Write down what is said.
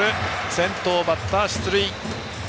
先頭バッター出塁。